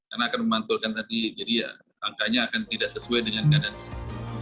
karena akan memantulkan tadi jadi ya angkanya akan tidak sesuai dengan keadaan sis